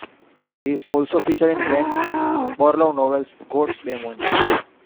He is also featured in Wayne Barlowe's novel "God's Demon".